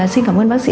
xin cảm ơn bác sĩ